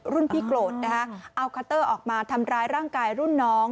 รุ่นพี่โกรธนะคะเอาคัตเตอร์ออกมาทำร้ายร่างกายรุ่นน้อง